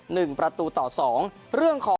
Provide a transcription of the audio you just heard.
หนึ่งประตูต่อสองเรื่องของ